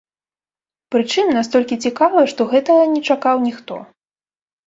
Прычым, настолькі цікава, што гэтага не чакаў ніхто.